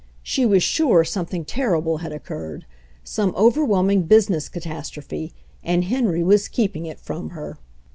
She was sure something terrible had occurred, some overwhelming business catastrophe — and Henry was keeping it from her.